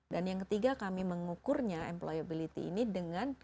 dan yang ketiga kami mengukurnya employability ini dengan